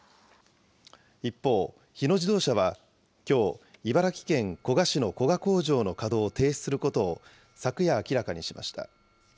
一方、日野自動車は、きょう、茨城県古河市の古河工場の稼働を停止することを、昨夜明らかにしました。